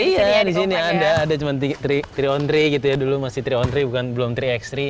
iya disini ada ada cuma tiga on tiga gitu ya dulu masih tiga on tiga belum tiga x tiga